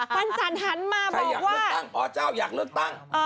ปันจันทร์หันมาบอกว่าใครอยากเลือกตั้งอ๋อเจ้าอยากเลือกตั้ง